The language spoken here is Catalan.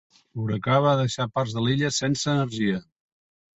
L'huracà va deixar parts de l'illa sense energia.